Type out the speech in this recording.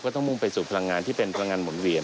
ต้องมุ่งไปสู่พลังงานที่เป็นพลังงานหมุนเวียน